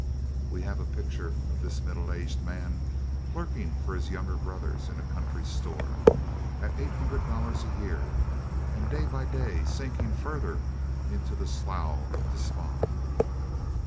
We have a picture of this middle aged man, clerking for his younger brothers in a country store, at eight hundred dollars a year, and day by day sinking further into the slough of despond.